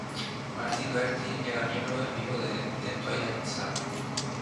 Martin Doherty era miembro en vivo de The Twilight Sad.